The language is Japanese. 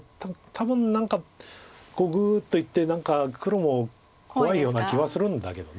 多分こうグーッといって何か黒も怖いような気はするんだけど。